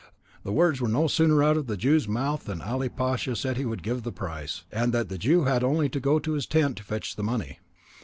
The words were no sooner out of the Jew's mouth than Ali Pasha said he would give the price, and that the Jew had only to go to his tent to fetch the money.